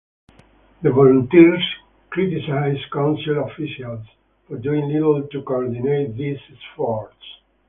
The volunteers criticised council officials for doing little to coordinate these efforts.